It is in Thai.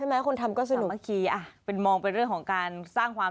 ไม่ต้องจ้างไง